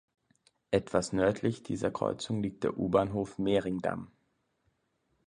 Etwas nördlich dieser Kreuzung liegt der U-Bahnhof Mehringdamm.